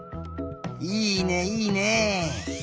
いいねいいね。